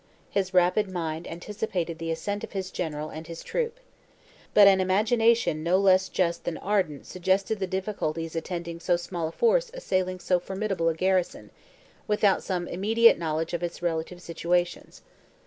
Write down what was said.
His rapid mind anticipated the ascent of his general and his troop. But an imagination no less just than ardent suggested the difficulties attending so small a force assailing so formidable a garrison, without some immediate knowledge of its relative situations.